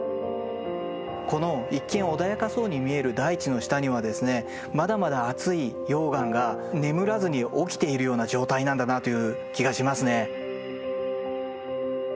この一見穏やかそうに見える大地の下にはですねまだまだ熱い溶岩が眠らずに起きているような状態なんだなという気がしますね。